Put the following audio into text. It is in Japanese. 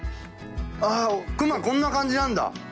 あ熊こんな感じなんだ。